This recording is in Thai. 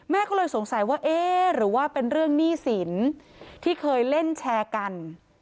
ก็เลยสงสัยว่าเอ๊ะหรือว่าเป็นเรื่องหนี้สินที่เคยเล่นแชร์กัน